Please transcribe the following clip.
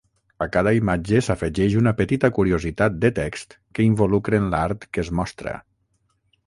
A cada imatge, s'afegeix una petita curiositat de text que involucren l'art que es mostra.